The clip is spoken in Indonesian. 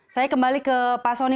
saya kembali ke pak soni